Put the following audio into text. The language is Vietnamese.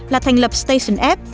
là thành lập station f